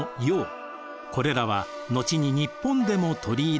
これらは後に日本でも取り入れられました。